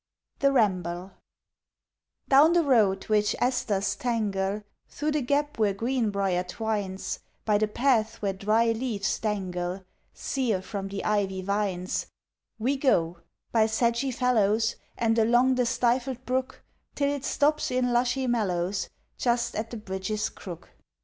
THE RAMBLE Down the road which asters tangle, Thro' the gap where green briar twines, By the path where dry leaves dangle Sere from the ivy vines We go by sedgy fallows And along the stifled brook, Till it stops in lushy mallows Just at the bridge's crook.